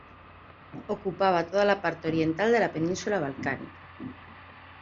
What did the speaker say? Ocupaba toda la parte oriental de la península balcánica.